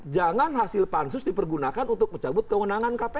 jangan hasil pansus dipergunakan untuk mencabut kewenangan kpk